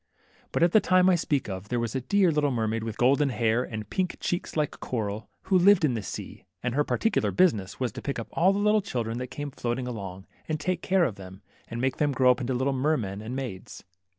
But at the time I speak of, there was a dear little mermaid, with golden hair and pink chee*ks like coral, who lived in this sea, and her particular business was to pick up all the little children that came floating along, and take care of them, and make them grow up into little mermen and maids.